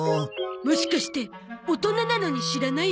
もしかして大人なのに知らないの？